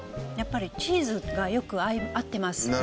やっぱりチーズがよく合ってます。